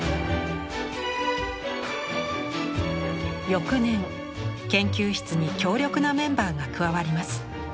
翌年研究室に強力なメンバーが加わります。